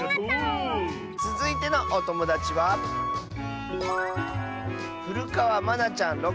つづいてのおともだちはまなちゃんの。